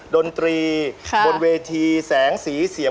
ดนตรีบนเวทีแสงสีเสียง